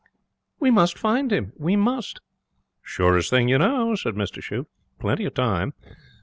'We must find him. We must.' 'Surest thing you know,' said Mr Shute. 'Plenty of time.'